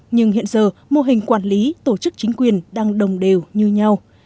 nhưng hiện giờ mô hình quản lý tổ chức chính quyền đang đồng đều như nhau